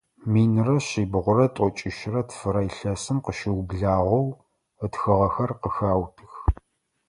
Минрэ шъибгъурэ тӏокӏищрэ тфырэ илъэсым къыщыублагъэу ытхыгъэхэр къыхаутых.